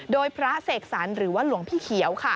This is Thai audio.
โดยพระเสกสรรหรือว่าหลวงพี่เขียว